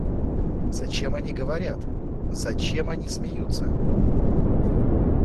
Зачем они говорят, зачем они смеются?